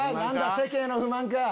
世間への不満か？